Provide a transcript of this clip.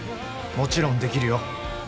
もちろんできるよ